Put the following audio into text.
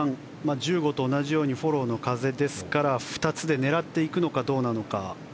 １５と同じようにフォローの風ですから２つで狙っていくのかどうか。